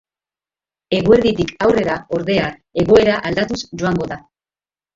Eguerditik aurrera, ordea, egoera aldatuz joango da.